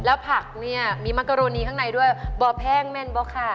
แล้วผักเนี่ยมีมากโกโรนีข้างในด้วยมันแพงแม่นป่ะค่ะ